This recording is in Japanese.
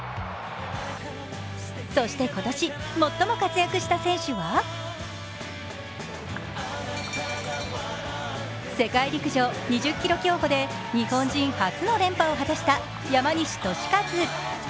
そして、今年最も活躍した選手は世界陸上２０ｋｍ競歩で日本人初の連覇を果たした山西利和。